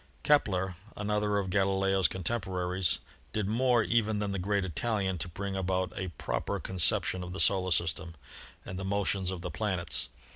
Kepler, another of Galileo's contemporaries, did more even than the great Italian to bring about a proper con ception of the solar system and the motions of the planets.